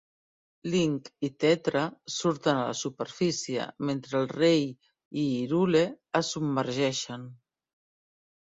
Link i Tetra surten a la superfície mentre el rei i Hyrule es submergeixen.